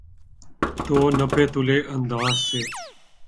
تو نپے تلے انداز سے۔